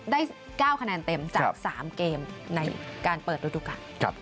ได้๙คะแนนเต็มจาก๓เกมในการเปิดฤดูกาล